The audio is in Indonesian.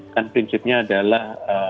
kan prinsipnya adalah